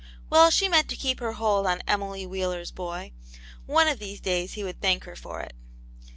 Well, she meant to keep her hold on Emily Wheeler's boy : one of these days he would thank her for it.